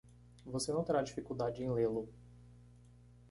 Você não terá dificuldade em lê-lo.